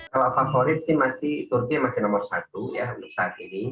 kalau favorit sih masih turki masih nomor satu ya untuk saat ini